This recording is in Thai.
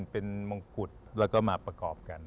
เป็นมงกุฎแล้วก็มาประกอบกัน